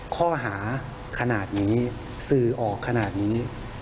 ข้อหาขนาดนี้สื่อออกขนาดนี้